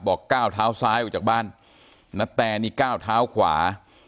ก้าวเท้าซ้ายออกจากบ้านณแตนี่ก้าวเท้าขวา